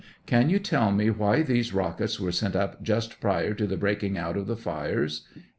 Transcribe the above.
Can you tell me why these rockets were sent up just prior to the breaking out of the fires?